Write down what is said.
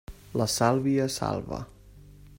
La sàlvia salva.